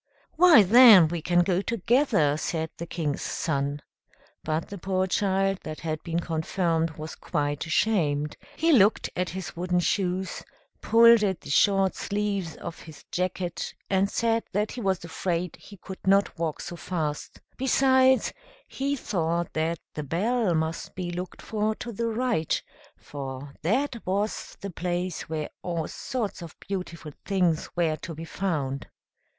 "Why, then, we can go together," said the King's Son. But the poor child that had been confirmed was quite ashamed; he looked at his wooden shoes, pulled at the short sleeves of his jacket, and said that he was afraid he could not walk so fast; besides, he thought that the bell must be looked for to the right; for that was the place where all sorts of beautiful things were to be found.